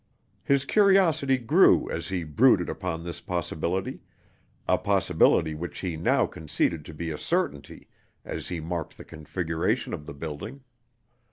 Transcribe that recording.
His curiosity grew as he brooded upon this possibility a possibility which he now conceded to be a certainty as he marked the configuration of the building.